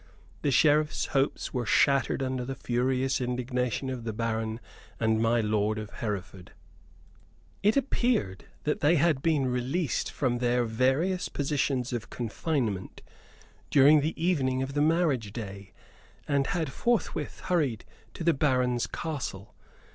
The Sheriff's hopes were shattered under the furious indignation of the baron and my lord of Hereford. It appeared that they had been released from their various positions of confinement during the evening of the marriage day, and had forthwith hurried to the baron's castle.